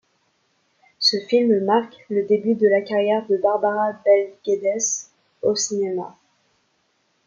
Ce film marque le début de la carrière de Barbara Bel Geddes au cinéma.